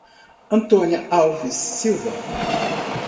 Antônia Alves Silva